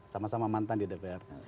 sama sama mantan di dpr